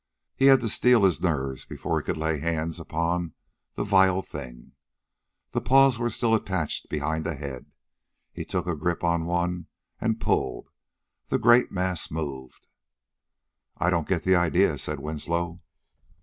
He had to steel his nerves before he could lay hands upon the vile thing. The paws were still attached behind the head. He took a grip on one and pulled. The great mass moved. "I don't get the idea," said Winslow.